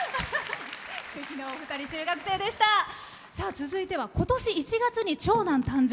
続いては今年１月に長男誕生。